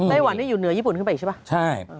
ได้วันนี้อยู่เหนือยี่ปุ่นขึ้นไปอีกใช่ป่ะ